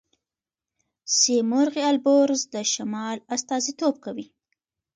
سیمرغ البرز د شمال استازیتوب کوي.